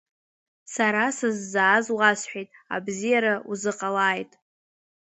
Сара сыззааз уасҳәеит, абзиара узыҟалааит…